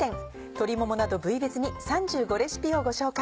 鶏ももなど部位別に３５レシピをご紹介。